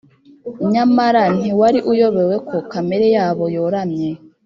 Nyamara ntiwari uyobewe ko kamere yabo yoramye,